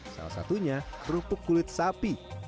salah satunya kerupuk kulit sapi